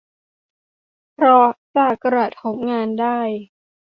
เพราะจะกระทบการงานได้